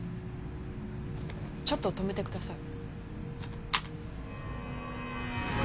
ちょっと止めてください。